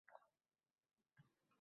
U kishining oʻlishini istamayman